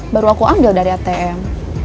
baru aku ambil dari atm